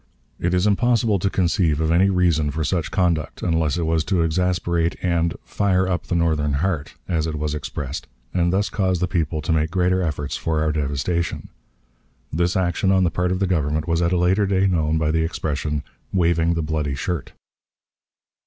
It is impossible to conceive any reason for such conduct, unless it was to exasperate and "fire up the Northern heart," as it was expressed, and thus cause the people to make greater efforts for our devastation. This action on the part of the Government was at a later day known by the expression "waving the bloody shirt."